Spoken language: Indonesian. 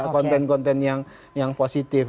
konten konten yang positif